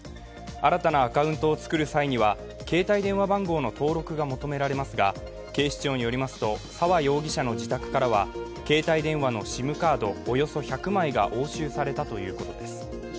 新たなアカウントを作る際には携帯電話番号の登録が求められますが警視庁によりますと沢容疑者の自宅からは携帯電話のＳＩＭカードおよそ１００枚が押収されたということです。